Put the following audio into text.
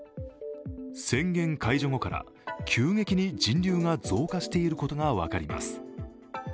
宣言解除後から急激に人流が増加していることが分かります。